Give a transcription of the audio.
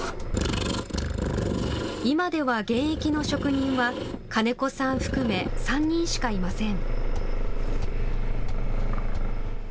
今では現役の職人は金子さん含め３人しかいません。